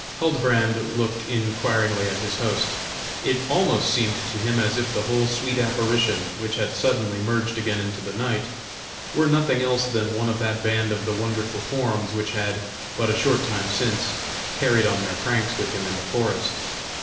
Huldbrand looked inquiringly at his host; it almost seemed to him as if the whole sweet apparition, which had suddenly merged again into the night, were nothing else than one of that band of the wonderful forms which had, but a short time since, carried on their pranks with him in the forest.